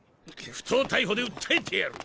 不当逮捕で訴えてやる！